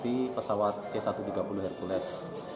di pesawat c satu ratus tiga puluh hercules